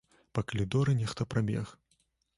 Па калідоры нехта прабег.